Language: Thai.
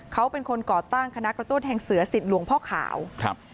เขาเป็นคนก่อตั้งคณะกระต้วแทงเสือสิทธิ์หลวงพ่อขาวครับ